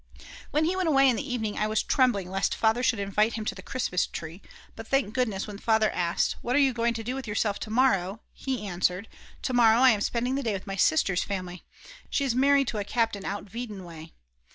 When he went away in the evening I was trembling lest Father should invite him to the Christmas tree, but thank goodness when Father asked: "What are you doing with yourself to morrow," he answered: "To morrow I am spending the day with my sister's family, she is married to a captain out Wieden way."